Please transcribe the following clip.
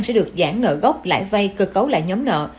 sẽ được giãn nợ gốc lãi vay cơ cấu lại nhóm nợ